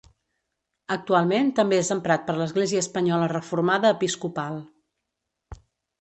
Actualment també és emprat per l'Església Espanyola Reformada Episcopal.